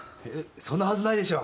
そんなはずないでしょう？